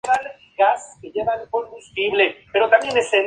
El fruto es una cilíndrica drupa de sólo unos pocos milímetros de longitud.